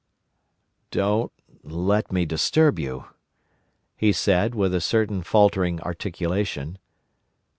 "Don't let me disturb you," he said, with a certain faltering articulation.